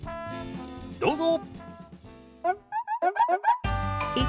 どうぞ！